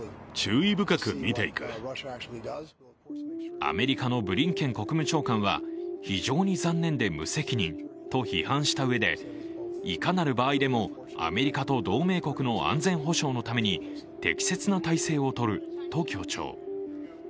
アメリカのブリンケン国務長官は非常に残念で無責任と批判したうえでいかなる場合でもアメリカと同盟国の安全保障のために適切な態勢をとると強調。